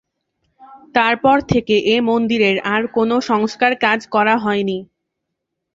তারপর থেকে এ মন্দিরের আর কোন সংস্কার কাজ করা হয়নি।